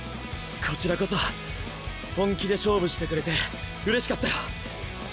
こちらこそ本気で勝負してくれてうれしかったよ。